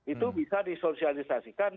itu bisa disosialisasikan